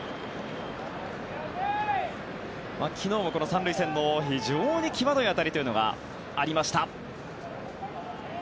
昨日はこの３塁線の非常に際どい当たりというのがありました。